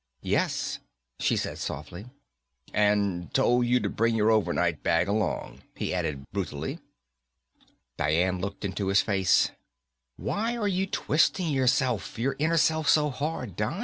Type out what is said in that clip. "Yes," she said softly. "And told you to bring your overnight bag along," he added brutally. Dian looked into his face. "Why are you twisting yourself, your inner self, so hard, Don?